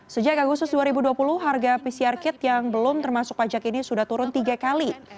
sejak agustus dua ribu dua puluh harga pcr kit yang belum termasuk pajak ini sudah turun tiga kali